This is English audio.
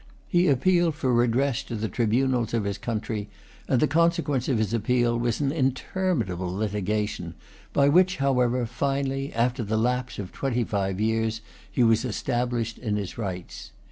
He appealed for redress to the tribunals of his country; and the consequence of his appeal was an interminable litiga tion, by which, however, finally, after the lapse of twenty five years, he was established in his rights.